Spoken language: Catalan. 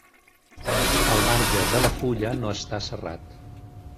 El marge de la fulla no està serrat.